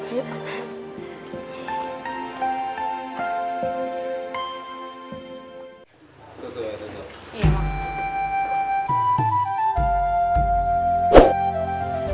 tuh tuh ya tuh tuh